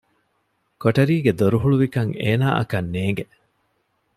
ކޮޓަރީގެ ދޮރުހުޅުވިކަން އޭނާއަކަށް ނޭގެ